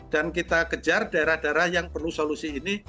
dan kita kejar daerah daerah yang perlu solusi ini